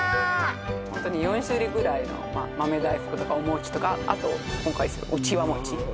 ホントに４種類ぐらいの豆大福とかお餅とかあと今回そのうちわ餅